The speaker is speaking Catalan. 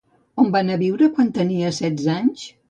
On va anar a viure quan tenia setze anys?